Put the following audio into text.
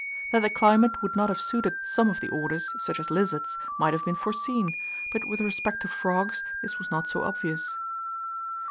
That the climate would not have suited some of the orders, such as lizards, might have been foreseen; but with respect to frogs, this was not so obvious.